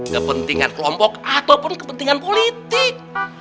kepentingan kelompok ataupun kepentingan politik